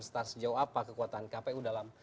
entah sejauh apa kekuatan kpu dalam